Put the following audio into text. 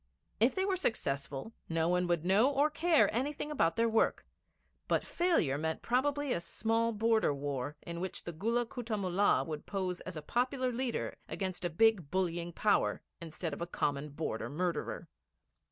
If they were successful, no one would know or care anything about their work; but failure meant probably a small border war, in which the Gulla Kutta Mullah would pose as a popular leader against a big bullying power, instead of a common border murderer.